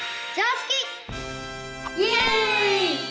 イエイ！